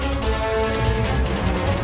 tidak ada yang bisa dihukum